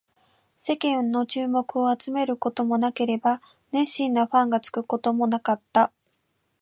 世間の注目を集めることもなければ、熱心なファンがつくこともなかった